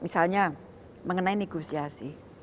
misalnya mengenai negosiasi